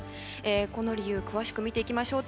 この理由詳しく見ていきましょう。